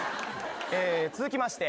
続きまして。